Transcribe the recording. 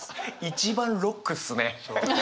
一番ロックっすね！